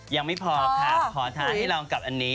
ยังไม่พอค่ะขอทานให้ลองกับอันนี้